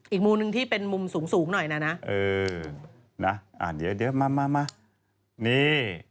อีกมุมหนึ่งที่เป็นมุมสูงสูงหน่อยนะนะเออนะอ่านเดี๋ยวมามานี่